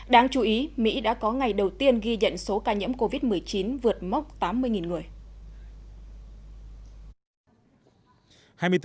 đáng chú ý mỹ đã có ngày đầu tiên ghi nhận số ca nhiễm covid một mươi chín vượt mốc tám mươi người